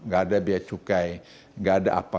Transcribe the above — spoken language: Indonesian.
gak ada biaya cukai nggak ada apa